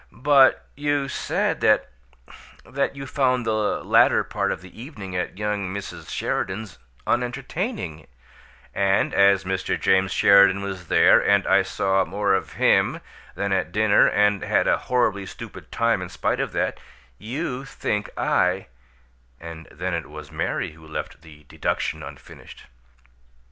"But you said that that you found the latter part of the evening at young Mrs. Sheridan's unentertaining " "And as Mr. James Sheridan was there, and I saw more of him than at dinner, and had a horribly stupid time in spite of that, you think I " And then it was Mary who left the deduction unfinished.